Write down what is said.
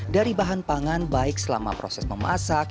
dari bahan pangan baik selama proses memasak